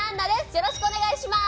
よろしくお願いします。